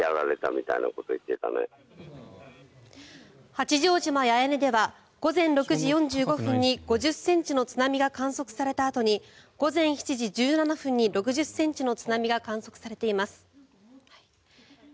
八丈島・八重根では午前５時４６分に５０ｃｍの津波が観測されたあとに午前７時１７分に６０ｃｍの津波が観測されています。